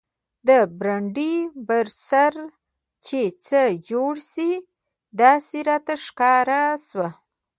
د برنډې پر سر چې څه جوړ شي داسې راته ښکاره شو.